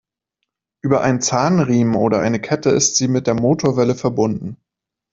Über einen Zahnriemen oder eine Kette ist sie mit der Motorwelle verbunden.